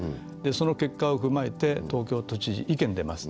その結果を踏まえて東京都知事の意見が出ます。